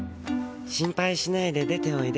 心配しないで出ておいで。